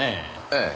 ええ。